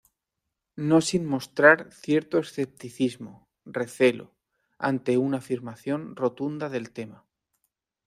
No sin mostrar cierto escepticismo, recelo, ante una afirmación rotunda del tema.